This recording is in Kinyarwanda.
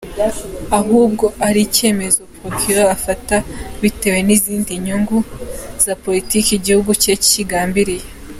Ahubwo ari icyemezo Procureur afata bitewe n’izindi nyungu za politiki igihugu cye kigambiriye.